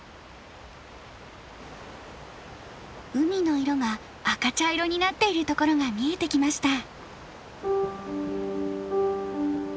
海の色が赤茶色になっている所が見えてきました。